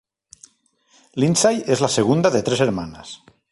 Lindsay es la segunda de tres hermanas.